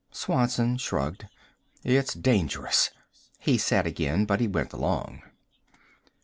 Swanson shrugged. "It's dangerous," he said again. But he went along.